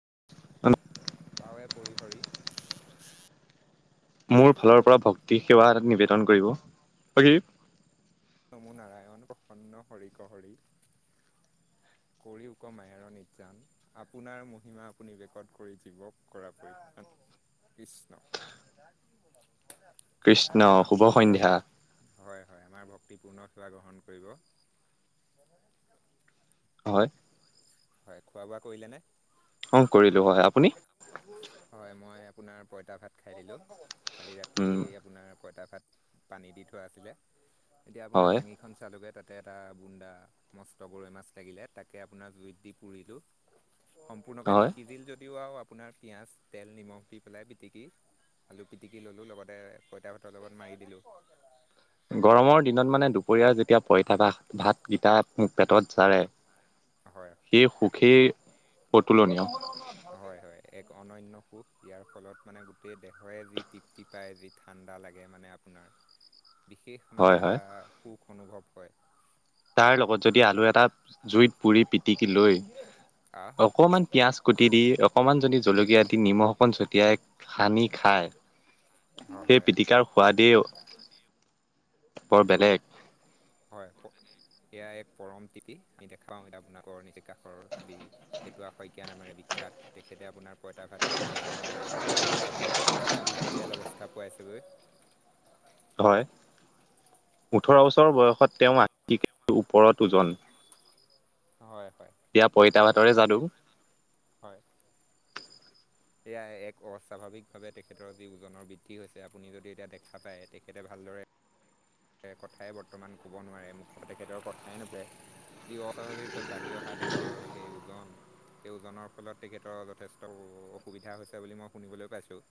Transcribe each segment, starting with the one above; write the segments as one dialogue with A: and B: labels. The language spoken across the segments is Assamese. A: [unintelligible]
B: পাৱে পৰিহৰি
A: মোৰ ফালৰ পৰা ভক্তি, সেৱা এটা নিবেদন কৰিব [unintelligible]
B: মোৰ নাৰায়ণ প্ৰসন্ন হৰিক হৰি কৰি উক মায়াৰ নিতৰাং আপোনাৰ মহিমা আপুনি ৰেকড কৰি জীৱক কৰা কৰি ইচ
A: কৃষ্ণ শুভ সন্ধ্যা।
B: হয় হয় আমাৰ ভক্তি পূৰ্ণ সেৱা গ্ৰহণ কৰিব
A: হয়।
B: হয়, খোৱা বোৱা কৰিলে নে?
A: অ কৰিলো হয়। আপুনি?
B: হয় মই আপোনাৰ পঁইতা ভাত খাই দিলোঁ কালি
A: উম
B: ৰাতিয়েই আপোনাৰ পঁইতা ভাত পানী দি থোৱা আছিলে এতিয়া আপোনাৰ
A: হয়
B: লাঙিখন চালোগে তাত তাতে এটা বুন্দা মস্ত গৰৈ মাছ লাগিলে তাকে আপোনাৰ জুইত দি পুৰিলো। সম্পূৰ্ণকে
A: হয়
B: নিসিজিল যদিও আৰু আপোনাৰ পিঁয়াজ তেল নিমখ দি পেলাই পিটিকি আলু পিটিকি ললোঁ লগতে পঁইতা ভাতৰ লগতে মাৰি দিলো।
A: গৰমৰ দিনত মানে দুপৰীয়া যেতিয়া পইতা ভাস ভাতগিতাপ পেটত জাৰে।
B: হয়
A: সেই সুখেই পৰ্টুলনিয়
B: হয় হয়
A: [unintelligible]
B: এক অনন্য সুখ ইয়াৰ ফলত মানে গোটেই দেহৰে যি তৃপ্তি পায় যি ঠাণ্ডা লাগে মানে আপোনাৰ। বিশেষ
A: হয়
B: মানে
A: হয়
B: এটা সুখ অনুভৱ হয়।
A: তাৰ লগত যদি আলু এটা জুইত পুৰি পিটিকি লৈ
B: আহ হা
A: অকমান পিয়াজ কুটি দি অকণমানজনদি জলকীয়াদি নিমখ অকণ ছটিয়াই সানি খায়।
B: হয়
A: সেই
B: হয়
A: পিটিকাৰ সোৱাদেই বৰ বেলেগ।
B: হয়। এয়া এক পৰম তিপি আমি দেখাও এতিয়া আপোনোকৰ নিচি কাষৰ যি ভেটুৱা শইকীয়া নামেৰে বিখ্যাত তেখেতে আপোনাৰ পইতা ভাতাই খায় নিজৰ শৰীৰটো বৰ্তমান দুই কুইণ্টেল অৱস্থা পোৱাইছে। গৈ।
A: হয়। ওঠৰ বছৰ বয়সত তেওঁ আ ওপৰত ওজন।
B: হয়। হয়
A: এয়া পইতা ভাতৰে যাদু।
B: হয় এয়া এক অস্বাভাৱিক ভাৱে তেখেতৰ যি ওজনৰ বৃদ্ধি হৈছে আপুনি যদি এতিয়া দেখা পায় তেখেতে ভাল- ভালদৰে- কথাই বৰ্তমান ক'ব নোৱাৰে মুখ তেখেতৰ কথাই নুপৰে। যি অস্বাভাৱিক ৰত বাঢ়ি অহা তেটেতৰ সেই ওজন- সেই ওজনৰ ফলত তেখেতৰ যথেষ্ট অসুবিধা হৈছে বুলি মই শুনিবলৈ পাইছোঁ।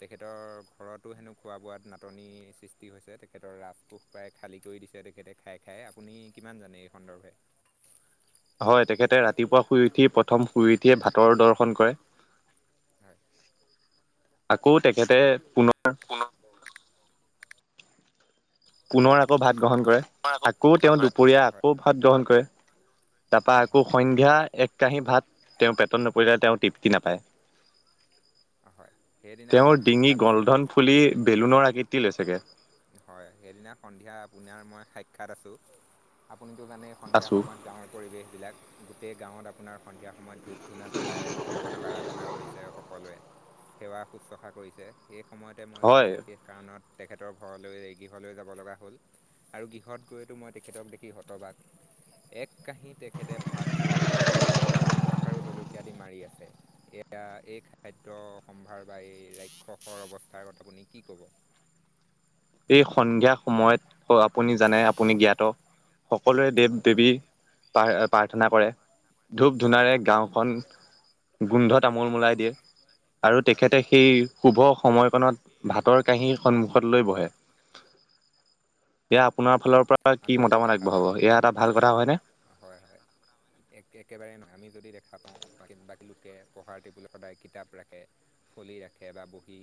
B: তেখেতৰ ঘৰতো হেনো খোৱা বোৱাত নাটনি সৃষ্টি হৈছে। তেখেত- ৰাজকোষ প্ৰায় খালী কৰি দিছে তেখেতে খাই খাই আপুনি কিমান জানে এই সন্দৰ্ভে?
A: হয় তেখেতে ৰাতিপুৱা শুই উঠি প্ৰথম শুই উঠিয়ে ভাতৰ দৰ্শন কৰে।
B: হয়।
A: আকৌ তেখেতে পুনৰ-
B: পুনৰ
A: পুনৰ আকৌ ভাত গ্ৰহণ কৰে। আকৌ তেওঁ দুপৰীয়া আকৌ ভাত গ্ৰহণ কৰে। তাৰপৰা
B: হয়
A: আকৌ
B: হয়
A: সন্ধ্যা এক কাঁহী ভাত তেওঁ পেটত নপৰিলেলে তেওঁ তৃপ্তি নাপায়।
B: হয়। সেইদিনা মই
A: তেওঁৰ ডিঙি
B: সাক্ষাৎ আছোঁ
A: গলধন ফুলি বেলুনৰ আকৃতি লৈছেগে।
B: হয় সেইদিনা সন্ধিয়া আপোনাৰ মই সাক্ষাাত আছো। আপুনিো জানেই সন্ধিয়া
A: আছো
B: সময়ত গাঁৱৰ পৰিৱেশবিলাক গোটেই গাঁৱত আপোনাৰ সন্ধিয়া সময়ত ধূপ ধূনা জ্বলাই ভগৱানক আৰাধনা কৰিছে সকলোৱে সেৱা শুশ্ৰূষা কৰিছে এই সময়তে মই এটা
A: হয়
B: বিশেষ কাৰণত তেখেতৰ ঘৰলৈ গৃহলৈ যাব লগা হ'ল আৰু গৃহত গৈতো মই তেখেতক দেখি শতবাগ এক কাঁহী তেখেতে ভাত লৈ মাত্ৰ নিমখ আৰু জলকীয়াদি মাৰি আছে। এয়া এই খাদ্যয় সম্ভাৰ বা এই ৰাক্ষসৰ অৱস্থাৰত আপুনি কি কব? [inaudible]
A: এই সন্ধিয়া সময়ত - আপুনি জানে আপুনি জ্ঞাত সকলোৰে দেৱ
B: হয়
A: দেৱী পাৰ প্ৰাৰ্থনা কৰে। ধূপ ধূনাৰে গাঁওখন গোন্ধ তামোল মলাই দিয়ে। আৰু
B: হয়
A: তেখেতে সেই শুভ সময়কণত ভাতৰ কাঁহীৰ সন্মুখত লৈ বহে। এয়া আপোনাৰ ফালৰ পৰা কি
B: আমি যদি
A: মতামত
B: দেখা
A: আগবঢ়াব
B: পাও
A: এয়া এটা ভাল কথা হয়নে?
B: হয় হয় একেবাৰে নহয় আমি। যদি দেখা পাওঁ বাকী লোকে পঢ়াৰ টেবুলত সদায় কিতাপ ৰাখে ফলি ৰাখে বা বহি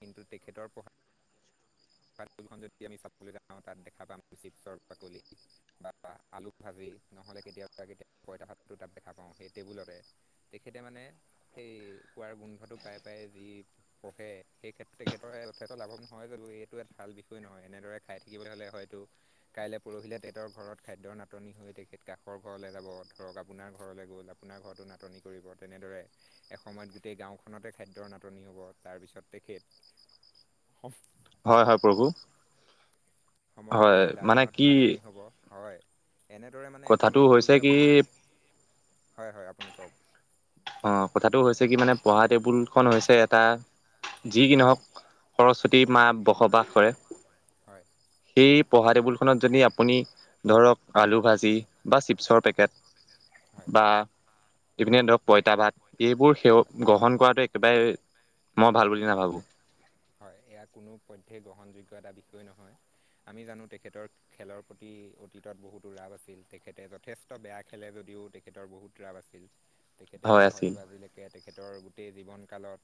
B: কিন্তু তেখেতৰ পঢ়া যদি আমি চাবলৈ যাওঁ তাত দেখা পাম চিপছৰ বাকলি বা আলুক ভাজি নহলে কেতিয়াবা কেতিয় পইতা ভাত তো তাত দেখা পাওঁ সেই টেবুলতে তেখেতে মানে সেই কোৱাৰ গোন্ধটো প্ৰায় পায় যি পঢ়ে সেই ক্ষেত্ৰতে তেখেতৰ লাভৱান নহয় যদিও টা ভাল বিষয় নহয় এনেদৰে খাই থাকিবলৈ হ'লে হয়তো কাইলৈ পৰহিলে তেহতৰ ঘৰত খাদ্যৰ নাটনি হৈ তেখেত কাষৰ ঘৰলৈ যাব ধৰক আপোনাৰ ঘৰলৈ গ'ল আপোনাৰ ঘৰতো নাটনি কৰিব তেনেদৰে এ সময়ত গোটেই গাঁওখনতে খাদ্যৰ নাটনি হ'ব তাৰ পিছত তেখেত
A: হয়, হয়, প্ৰভু।
B: সমগ্ৰ
A: হয় মানে কি
B: জিলাখনত নাটনি হ'ব। হয়। এনেদৰে মানে
A: কথাটো
B: এসময়ত গৈ
A: হৈছে
B: গৈ
A: কি
B: আপোনাৰ হয়, হয় আপুনি কওঁক।
A: অ, ' কথাটো হৈছে কি মানে পঢ়া টেবুলখন হৈছে এটা যি কি নহওঁক সৰস্বতী মা বসবাস কৰে।
B: হয়।
A: এই পঢ়া টেবুলখনত যদি আপুনি ধৰক আলু ভাজি বা চিপছৰ পেকেট
B: হয়।
A: বা ইভিনে ধৰক পইতা ভাত এইবোৰ সেৱ গ্ৰহণ কৰাটো একেবাৰে মই ভাল বুলি নাভাবোঁ।
B: হয়, এয়া কোনো পধ্য গ্ৰহণযোগ্য এটা বিষয় নহয় আমি জানো তেখেতৰ খেলৰ প্ৰতি অতীতত বহুতো ৰাপ আছিল তেখেতে যথেষ্ট বেয়া খেলে যদিও তেখেতৰ বহুত ৰাপ আছিল। তেখেতে
A: হয়
B: হয়তো
A: আছিল
B: আজিলৈকে তেখেতৰ গোটেই জীৱন কালত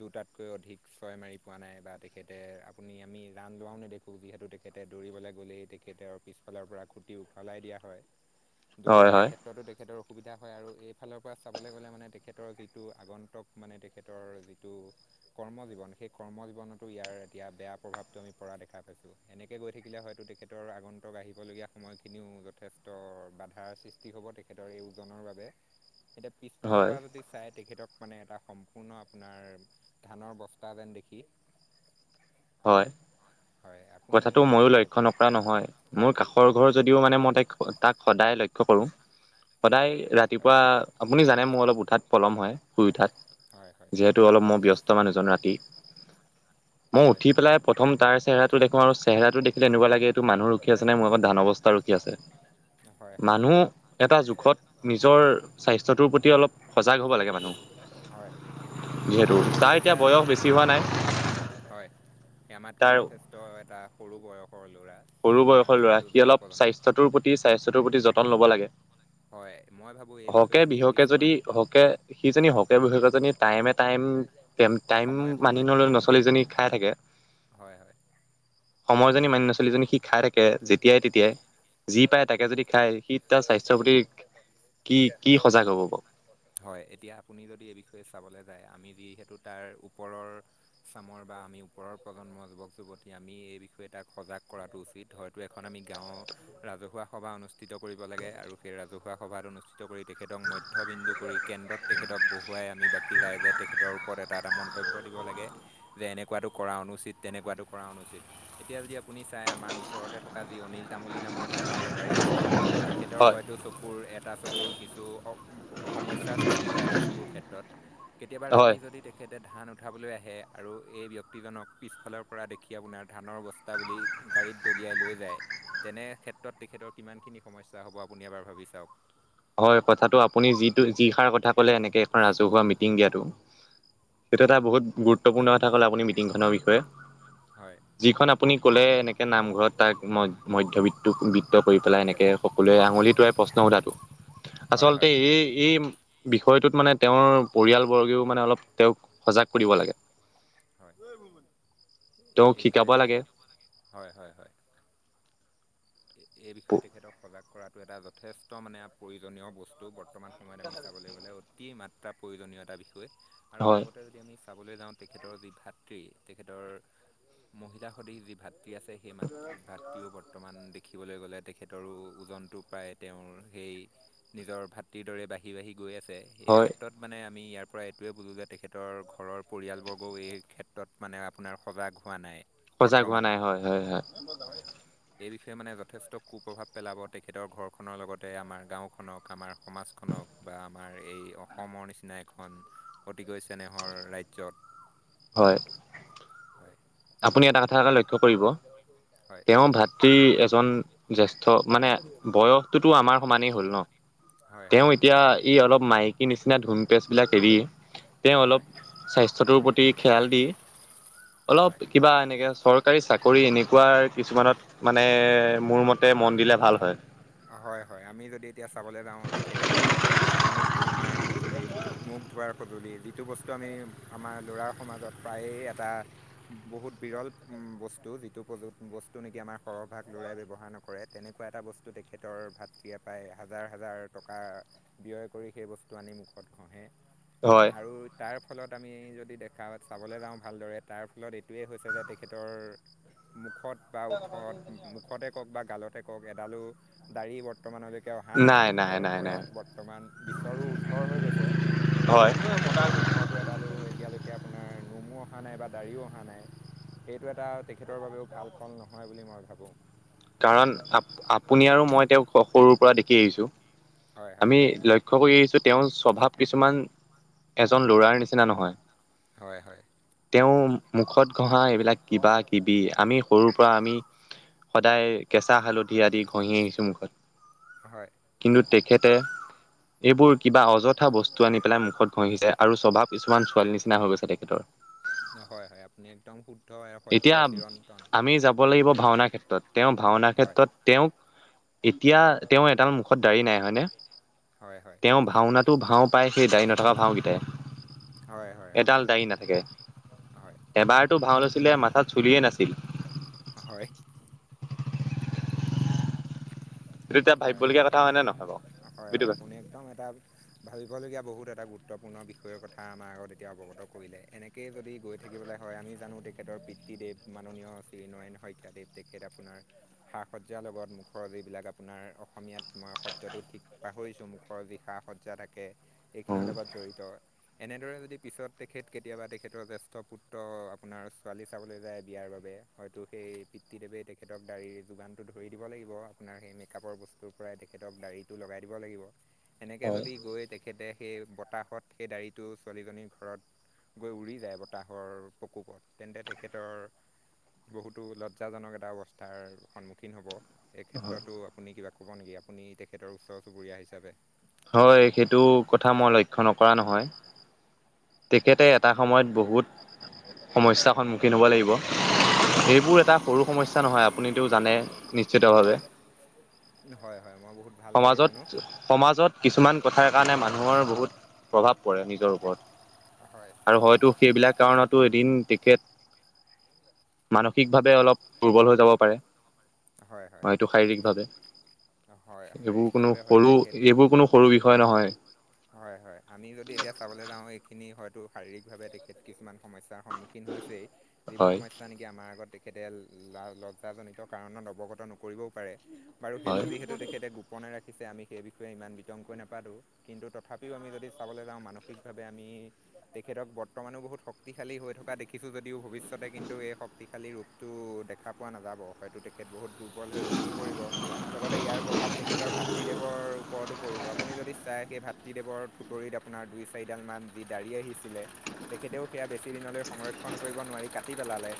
B: দুটাতকৈ অধিক ছয় মাৰি পোৱা নাই বা তেখেতে আপুনি আমি ৰাণ লোৱাও নেদেখোঁ যিহেতু তেখেতে দৌৰিবলৈ গ'লেই তেখেতেৰ পিছ ফালৰ পৰা খুটি উখলাই দিয়া হয়
A: হয়
B: দৌৰাৰ
A: হয়
B: ক্ষেত্ৰতো তেখেতৰ অসুবিধা হয় আৰু এইফালৰ পৰা চাবলৈ গ'লে মানে তেখেতৰ যিটো আগন্তক মানে তেখেতৰ যিটো কৰ্ম জীৱন সেই কৰ্ম জীৱনতো ইয়াৰ এতিয়া বেয়া প্ৰভাৱটো আমি পৰা দেখা পাইছো এনেকে গৈ থাকিলে হয়তো তেখেতৰ আগন্তক আহিবলগীয়া সময়খিনিও যথেষ্ট বাধাৰ সৃষ্টি হ'ব তেখেতৰ এই ওজনৰ বাবে এতিয়া পিছফালৰ
A: হয়
B: পৰা যদি চাই তেখেতক মানে এটা সম্পূৰ্ণ আপোনাৰ ধানৰ বস্তা যেন দে সিক
A: হয়। কথাটো
B: কি
A: ময়ো
B: ক'ব
A: লক্ষ্য নকৰা নহয় মোৰ কাষৰ ঘৰ
B: হয়
A: যদিও মানে মই ত তাক সদায় লক্ষ্ লক্ষ্য কৰোঁ সদায়
B: হয়
A: ৰাতিপুৱা আপুনি জানে মোৰ অলপ উঠাত পলম হয় শুই
B: হয় হয়
A: উঠাত। যিহেতু
B: হয়
A: অলপ মই ব্যস্ত মানুহজন ৰাতি মই
B: হয়
A: উঠি পেলাই প্ৰথম তাৰ চেহৰাত দেখো আৰু চেহেৰাটো দেখিলেনেকুৱা লাগে এইটো মানুহ ৰখি আছে নাই মোৰপ ধানৰ বস্তা ৰখি আছে।
B: হয় হয়
A: মানুহ
B: হয়
A: এটা জোখত নিজৰ স্বাস্থ্যটোৰ প্ৰতি অলপ সজাগ হ'ব লাগে মানুহ
B: হয়
A: যিহেতু
B: আমি যদি
A: তাৰ এতিয়া বয়স বেছি
B: হয়
A: হোৱা নাই।
B: হয় আমাতকৈও
A: তাৰ
B: যথেষ্ট এটা সৰু বয়স
A: সৰু বয়সৰ ল'ৰা সি অলপ
B: প্ৰজন্ম
A: স্বাস্থ্যটোৰ প্ৰতি স্বাস্থ্যটোৰ প্ৰতি যতন ল'ব লাগে।
B: হয়। মই ভাবোঁ এই
A: হকে
B: বিষয়ে আমিও
A: বিহুকে যদি
B: কিছুমান
A: হকে সিজনী
B: হয়
A: হকে বিহুকেজনী টাইমে টাইম টাইম
B: সময়ে
A: মানি
B: সময়ে
A: নলে ন' ছোৱালীজনী খাই থাকে।
B: হয় হয়
A: সময় জনী মানে ছোৱালীজনী সি খাই থাকে যেতিয়াই তেতিয়াই
B: হয়
A: যি পাই তাকে যদি খাই সি তাৰ স্বাস্থ্যৰ প্ৰতি কি কি সজাগ হ'ব বাৰু।
B: হয় এতিয়া আপুনি যদি এই বিষয়ে চাবলৈ য আমি যিহেতু তাৰ ওপৰৰ চামৰ বা আমি ওপৰৰ প্ৰজন্মৰ যুৱক-যুৱতী আমি এই বিষয়ে তাক সজাগ কৰাতটো উচিত হয়তো এখন আমি গাঁও ৰাজহুৱা সভা অনুষ্ঠিত কৰিব লাগে আৰু। আৰু সেই ৰাজহুৱা সভাত অনুষ্ঠিত কৰি তেখেতক মধ্যবিন্দু কৰি কেন্দ্ৰত তেত বহুৱাই আমি বাকী ৰাইজে তেখেতৰ ওপৰত এটা এটা মন্তব্য দিব লাগে যে তেনেকুৱাটো কৰা অনুচিত তেনেকুৱাটো কৰা অনুচিত এতিয়া যদি আপুনি চাই আমাৰ ওচৰতে থকা যি অনিল তামুলী নামৰ ধানৰ বেপাৰী আছে। তেখেতৰ
A: হয়
B: হয়তো চকুৰ এটা চকুৰ কিছু সমস্যাৰ সৃষ্টি হয় এটা চকুৰ ক্ষেত্ৰত কেতিয়াবা ৰাতি
A: হয়
B: যদি তেখেতে ধান উঠাবলৈ আহে আৰু এই ব্যক্তিজনক পিছফালৰ পৰা দেখি আপোনাৰ ধানৰ বস্তা বুলি গাড়ীত দলি উলিয়াই লৈ যায় তেনে ক্ষেত্ৰত তেখেতৰ কিমানখিনি সমস্যা হ'ব আপুনি এবাৰ ভাবি চাওঁক।
A: হয় কথাটো আপুনি যিটো যি সাৰ কথা কলে এনেকে এখন ৰাজহুৱা মিটিং দিয়াতটো সেইটো এটা বহুত গুৰুত্বপূৰ্ণ কথা ক মিটিনৰষয়ে
B: হয়
A: আপুনি ক'লে এনেকৈ নামঘৰত তাক মধ্যবিত্ত বৃত্ত কৰি পেলাই এনেকৈ সকলোৱে আঙুলি তোৱাইল প্ৰশ্ন সোধাটো
B: হয়
A: আচলতে
B: হয়
A: এই, এই বিষয়টোত, মানে তেওঁৰ পৰিয়ালবৰ্গেও, মানে অলপ তেওঁক সজাগ কৰিব লাগে।
B: হয়,
A: তেওঁক
B: এই
A: শিকাব
B: বিষয়ে
A: লাগে
B: তেখেতক হয়, হয়, হয়। [inaudible] এই বিষয়ে তেখেতক সজাগ কৰাটো, এটা যথেষ্ট মানে প্ৰয়োজনীয় বস্তু বৰ্ত বৰ্তমান সময়ত, আমি চাবলৈ গ'লে অতি মাত্ৰা প্ৰয়োজনীয়তা বিষয় আৰু
A: হয়
B: লগতে, যদি আমি চাবলৈ যাওঁ তেখেতৰ যি ভাতৃ, তেখেতৰ মহিলা সদশ যি ভাতৃ মাতৃ আছে সেই মাতৃৰ ভাতৃও বৰ্তমান ৰাখিবলৈ গ'লে তেখেতৰো ওজনটো প্ৰায়, তেওঁৰ সেই, নিজৰ ভাতৰ দৰে বাঢ়ি বাঢ়ি গৈ আছে। এই
A: হয়
B: ক্ষেত্ৰত মানে আমি ইয়াৰ পৰা এইটোৱে বোলোঁ যে, তেখেতৰ ঘৰৰ পৰিয়ালবৰ্গও, এই ক্ষেত্ৰত মানে আপোনাৰ সজাগ হোৱা নাই।
A: সজাগ হোৱা
B: বৰ্তমানো
A: নাই হয়, হয়, হয়।
B: তেওঁ মানে যথেষ্ট কু প্ৰ্ৰভাৱ পেলাব, তেখেতৰ ঘৰখনৰ লগতে, আমাৰ গাঁওখনক, আমাৰ সমাজখনক। বা আমাৰ, এই অসমৰ নিচিনা এখন অতিকৈ চেনেহৰ ৰাজ্যত।
A: হয়।
B: [inaudible]
A: আপুনি এটা কথা এটা লক্ষ্য কৰিব,
B: হয়
A: তেওঁ ভাত। প্ৰতি এজন জেষ্ঠ, মানে বয়সটোতো আমাৰ সমানেই হ'ল ন।
B: হয়
A: তেওঁ
B: হয়
A: এতিয়া, ই, অলপ মাইকীৰ নিচিনা ধুমপেজ বিলাক এৰি তেওঁ অলপ
B: হয়
A: স্বাস্থ্যটোৰ প্ৰতি খয়াল, দি অলপ
B: হয়
A: কিবা এনেকে চৰকাৰী চাকৰি, এনেকুৱা কিছুমানত মানে মোৰ মতে মন দিলে, ভাল হয়।
B: হয় হয় আমি যদি এতিয়া চাবলৈ যাওঁ তেখেতে বৰ্তমানো যি মুখ ঘঁহাৰ সঁজুলি, মুখ ধোৱাৰ সঁজুলি, যিটো বস্তু আমি আমাৰ ল'ৰা সমাজত প্ৰায়ে এটা বহুত বিৰল বস্তু, যিটো প্ৰযু বস্তু, নেকি আমাৰ সৰহৰভাগ লৰাই ব্যৱহাৰ ন। নকৰে, তেনেকুৱা এটা বস্তু। সটো তেখেতৰ ভাত খি, পাই হাজাৰ, হাজাৰ টকা ব্যয় কৰি সেই বস্তু আনি মুখত ঘঁহে।
A: হয়
B: আৰু তাৰ ফলত আমি যদি দেখা চাবলৈ যাওঁ, ভালদৰে তাৰ ফলত এইটোৱেই হৈছে যে তেখেতৰ মুখত বা উঠত মুখতে, কওক বা গালতে কওক, এডালো দাড়ি ব্ত বৰ্তমানলৈকে অহা নাই, তেখেতৰ বয়স বৰ্তমান বিশ্বৰো উৰ্দ্ধৰ হৈ গৈছে।
A: হয়
B: তেখেতৰ মুখতো এডালো, এতিয়ালৈকে আপোনাৰ নোমো অহা নাই, বা দাঢ়িও অহা নাই। এইটো, এটা তেখেতৰ বাবেও ভাল ফল নহয় বুলি মই ভাবো।
A: কাৰণ আ আপুনি আৰু মই তেওঁক সৰুৰ পৰা দেখি আহিছো।
B: হয় হয়
A: আমি লক্ষ্য কৰি আহিছো তেওঁৰ স্বভাৱ কিছুমান, এজন ল'ৰাৰ নিচিনা নহয়।
B: হয়, হয়।
A: তেওঁ মুখত ঘঁহা, এইবিলাক কিবা, কিবি আমি সৰুৰ পৰা আমি সদায় কেঁচা হালধি আদি ঘঁহি আহিছোঁ মুখত,
B: হয়
A: কিন্তু খেতে এইবোৰ কিবা অযথা বস্তু, আনি পেলাই মুখত ঘঁহি যায় আৰু স্বভাৱ কিছুমান ছোৱালীৰ নিচিনা হৈ গৈছে তেখেতৰ।
B: হয়, হয় আপুনি একদম। সত্য
A: এতিয়া
B: চিৰন্তন
A: আমি যাব লাগিব ভাওনা ক্ষেত্ৰত, তেওঁ ভাওনা
B: হয়
A: ক্ষেত্ৰত তেওঁক এতিয়া তেওঁ এডাল মুখত দাৰি নাই হয়নে,
B: হয় হয় হয়
A: তেওঁৰ ভাওনাতো ভাও পাই সেই, ডাড়ী নথকা ভাওঁকেইটাই।
B: হয়
A: এডাল
B: হয়
A: দাৰি নাথাকে, এবাৰতো ভাওলৈ মাথাত, চুলিয়ে নাছিল।
B: হয়
A: সেইটো এতিয়া
B: হয়, হয়,
A: ভাবিবলগীয়া কথা নে নহয় বাৰু
B: হয়,
A: বুজি
B: হয়
A: পাইছা?
B: আপুনি একদম এটা ভাবিবলগীয়া বহুত এটা গুৰুত্বপূৰ্ণ বিষয়ৰ কথা আমাৰ আগত এতিয়া অৱগত কৰিলে, এনেকেই যদি গৈ থাকিবলৈ হয়, আমি জানো তেখেত পিতৃ দেৱ, মাননীয় শ্ৰীনাৰায়ন শইকীয়াদৱ, তেখেত আপোনাৰ সা সজ্জাৰ লগত মুখৰ যিবিলাক আপোনাৰ অসমীয়াত মই শব্দটো ঠিক পাহৰিছোঁ, মুখৰ যষা সজ্জা থাকে। এইখিনিৰ লগত জড়িত এনেদৰে যদি, পিছত তেখেত কেতিয়াবা তেখেতৰ জ্যেষ্ঠ পুত্ৰ আপোনাৰ ছোৱালী চাবলৈ যায়, বিয়াৰ বাবে হয়তো সেই পিতৃ দেৱে তেখেতক দাড়ীৰ যোগানতটো ধৰি দিব লাগিব আপোনাৰ সেই কাপৰ বস্তুৰ পৰাই তেখেতক দাড়ীটো লগাই দিব লাগিব এনেকে যদি গৈ তেখেতে সেই বতাহত সেই দাড়ীটো ছোৱালীজনীৰ ঘৰত গৈ উৰি যায় বতাহৰ প্ৰকোপত তেন্তে তেখেতৰ বহুতো লজ্জাজনক এটা অৱস্থাৰ সন্মুখীন হব এই ক্ষেত্ৰতো আপুনি কিবা ক'ব নেকি আপুনি তেখেতৰ ওচৰ চুবুৰীয়া হিচাপে
A: হয় সেইটো কথা মই লক্ষ্্য নকৰা নহয় তেখেতে এটা সময়ত বহুত সমস্্যাৰ সন্মুখীন হ'ব লাগিব সেইবোৰ এটা সৰু সমস্্যা নহয় আপুনিতটো জানে নিশ্চিত ভাৱে
B: হয় হয় মই বহুত ভালদৰেই
A: সমাজত
B: জানো
A: সমাজত কিছুমান কথাৰ কাৰণে মানুহৰ বহুত প্ৰভাৱ নিজৰ ওপৰত
B: হয়
A: আৰু হয়তো সেইবিলাক কাৰণত এদিন তেখেত মানসিকভাৱে অলপ দুৰ্বল হৈ যাব পাৰে
B: হয় হয়
A: এইটো শাৰীৰিক ভাৱে
B: হয়
A: এইবোৰ কোনো
B: শাৰীৰিকভাৱে হয়তো
A: সৰু
B: তেখেত
A: এইবোৰ কোনো সৰু বিষয় নহয়
B: হয় হয় আমি যদি এতিয়া চাবলৈ যাও খিনি হয়তো শাৰীৰিকভাৱে তেখেত কিছুমান সমস্যাৰ সন্মুখীন হৈছেই যিবোৰ
A: হয়
B: সমস্যা নেকি আমাৰ আগত তে তেতিতো লজ্জাজনিত কাৰণত অৱগত নকৰিবও পাৰে বাৰু সেইটো
A: হয়
B: যিহেত তেখেতে গোপনে ৰাখে ৰাখিছে আমি সেই বিষয়ে ইমান বিতংকৈ নাপাতোঁ কিন্তু তথাপিও আমি যদি চাবলৈ যাওঁ মানসিকভাৱে আমি তেখেতক বৰ্তমানো বহুত শক্তিশালী হৈ থকা দেখিছো যদি দিও ভৱিষ্যতে কিন্তু এই শক্তিশালী ৰূপটো দেখা পোৱা নাযাব হয়তো তেখেত বহুত দুৰ্বল হৈ ভাঙি পৰিব লগতে ইয়াৰ প্ৰভাৱ তেখেতৰ ভাতৃদেৱৰ ওপৰতো পৰি আপুনি যদি চাই সেই ভাতৃদেৱৰ খুটৰিত আপোনাৰ দুই চাৰিডাল মমান যি দাড়ী আহিছিলে কেতিয়াও সেয়া বেছি দিনলৈ সংৰক্ষণ কৰিব নোৱাৰি কাটি পেলালে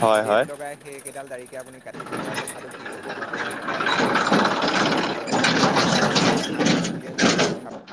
A: হয়
B: ডেট
A: হয়
B: লগাই সেইকেইডাল দাাৰ়কে আপুনি কাটি পেলোৱাৰ কথাটো কি ক'ব হয়তো এয়া কওক কায়কৰ বা তেখেতৰ নিজৰ ভাতৃৰ পৰা অহা কিছুমান গুণ বুলিয়েই মই